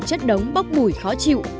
chất đống bốc bùi khó chịu